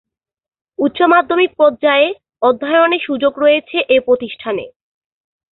উচ্চ মাধ্যমিক পর্যায়ে অধ্যয়নের সুযোগ রয়েছে এ প্রতিষ্ঠানে।